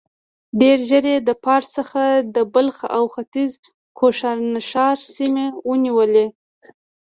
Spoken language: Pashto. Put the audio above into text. ډېر ژر يې د پارس څخه د بلخ او ختيځ کوشانښار سيمې ونيولې.